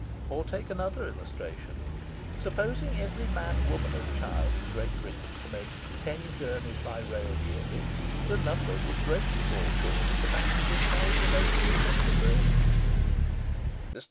Or take another illustration. Supposing every man, woman, and child in Great Britain to make ten journeys by rail yearly, the number would greatly fall short of the passengers carried in 1873. Mr.